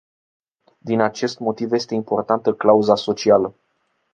Din acest motiv este importantă clauza socială.